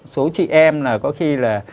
số chị em là có khi là